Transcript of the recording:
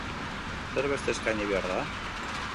Zer beste eskaini behar da?